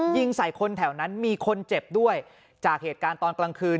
ยิงใส่คนแถวนั้นมีคนเจ็บด้วยจากเหตุการณ์ตอนกลางคืน